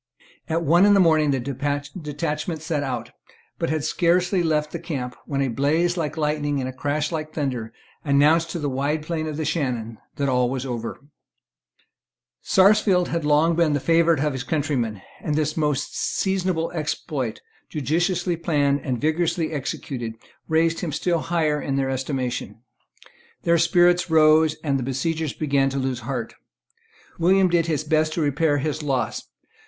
At one in the morning the detachment set out, but had scarcely left the camp when a blaze like lightning and a crash like thunder announced to the wide plain of the Shannon that all was over, Sarsfield had long been the favourite of his countrymen; and this most seasonable exploit, judiciously planned and vigorously executed, raised him still higher in their estimation. Their spirits rose; and the besiegers began to lose heart. William did his best to repair his loss.